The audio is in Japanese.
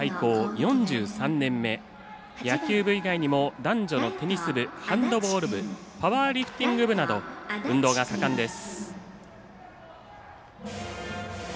４３年目、野球部以外にも男女のテニス部、ハンドボール部パワーリフティング部など運動が盛んです。